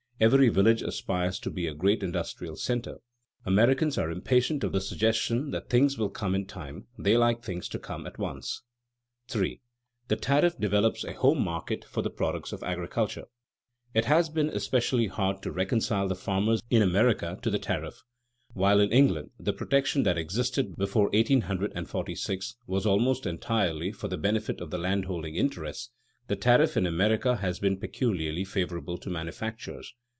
Every village aspires to be a great industrial center. Americans are impatient of the suggestion that things "will come in time"; they like things to come at once. [Sidenote: The "home market" argument as to freights] 3. The tariff develops a home market for the products of agriculture. It has been especially hard to reconcile the farmers in America to the tariff. While in England the protection that existed before 1846 was almost entirely for the benefit of the landholding interests, the tariff in America has been peculiarly favorable to manufactures.